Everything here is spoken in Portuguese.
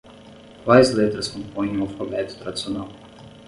Quais letras compõem o alfabeto tradicional?